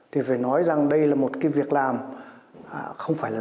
thì phải nói rằng đây là một cái việc làm không phải là